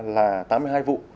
là tám mươi hai vụ